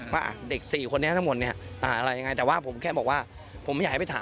ว่าเด็ก๔คนนะทั้งหมด